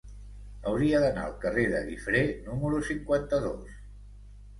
Hauria d'anar al carrer de Guifré número cinquanta-dos.